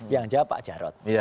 yang jawab pak jarod